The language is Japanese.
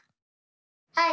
はい！